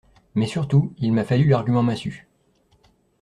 Mais surtout, il m’a fallu l’argument massue.